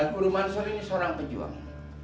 guru mansur ini seorang pejuang